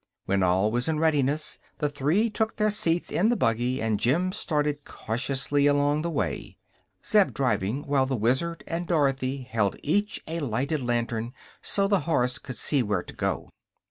When all was in readiness the three took their seats in the buggy and Jim started cautiously along the way, Zeb driving while the Wizard and Dorothy each held a lighted lantern so the horse could see where to go.